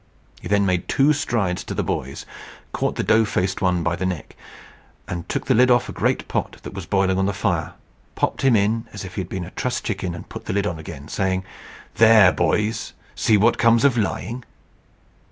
He then made two strides to the boys, caught the dough faced one by the neck, took the lid off a great pot that was boiling on the fire, popped him in as if he had been a trussed chicken, put the lid on again, and saying, "There, boys! See what comes of lying!"